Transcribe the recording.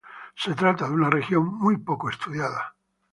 Se trata de una región muy poco estudiada.